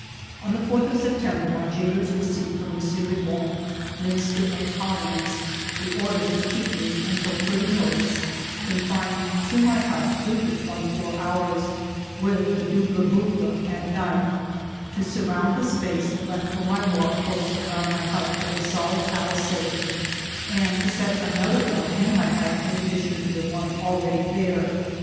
On the 4th of September my jailers received from M. Lebon, Minister of Colonies, the order to keep me, until further notice, confined to my hut through the twenty four hours, with the " double boucle " at night; to surround the space left for my walk close around my hut with a solid palisade, and to set another guard in my hut in addition to the one already there.